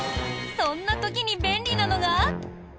そんな時に便利なのが。